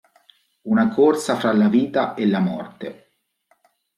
Una corsa fra la vita e la morte".